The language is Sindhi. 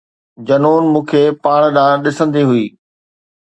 جنون مون کي پاڻ ڏانهن ڏسندي هئي